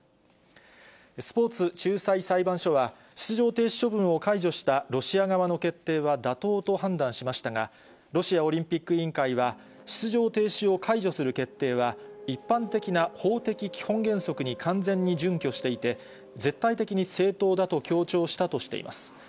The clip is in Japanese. スポーツ仲裁裁判所は、出場停止処分を解除したロシア側の決定は妥当と判断しましたが、ロシアオリンピック委員会は、出場停止を解除する決定は、一般的な法的基本原則に完全に準拠していて、絶対的に正当だと強調したとしています。